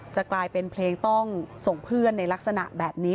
จะกลายเป็นเพลงต้องส่งเพื่อนในลักษณะแบบนี้